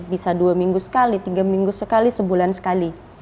bisa dua minggu sekali tiga minggu sekali sebulan sekali